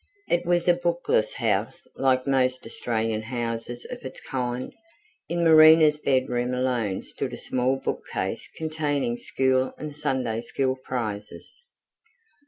It was a bookless house like most Australian houses of its kind: in Marina's bedroom alone stood a small bookcase containing school and Sunday school prizes.